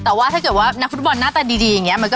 ถ้าเกิดว่านักฟุตบอลน่าดีอย่างงี้ก็เป็นแรงไม่ว่างดี่ง